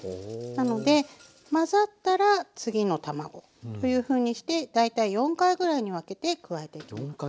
なので混ざったら次の卵というふうにして大体４回ぐらいに分けて加えていきます。